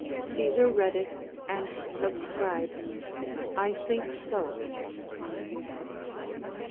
Caesar read it, and subscribed, I think so.